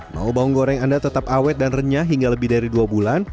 mau bawang goreng anda tetap awet dan renyah hingga lebih dari dua bulan